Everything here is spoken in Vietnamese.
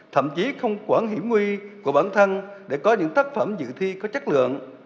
thậm chí không quản hiểm nguy của bản thân để có những tác phẩm dự thi có chất lượng